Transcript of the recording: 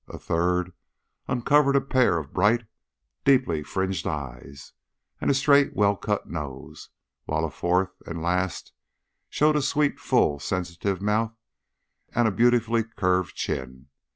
A third uncovered a pair of bright, deeply fringed eyes, and a straight, well cut nose, while a fourth and last showed a sweet, full, sensitive mouth, and a beautifully curved chin.